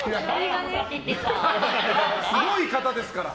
すごい方ですから。